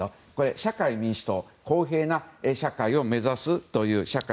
社会民主党公平な社会を目指す党です。